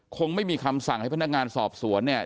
คงไม่มีคำสั่งให้พนักงานสอบสวนเนี่ย